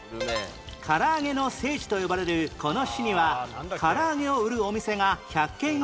からあげの聖地と呼ばれるこの市にはからあげを売るお店が１００軒以上